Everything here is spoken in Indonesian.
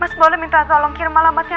mas boleh minta tolong kirim alamatnya